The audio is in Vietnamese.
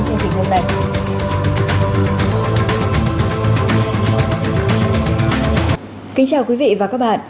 xin chào quý vị và các bạn